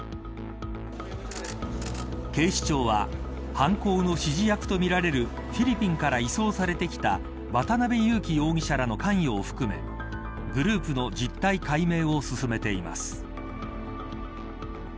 警視庁は犯行の指示役とみられるフィリピンから移送されてきた渡辺優樹容疑者らの関与を含めグループの実態解明を進めています。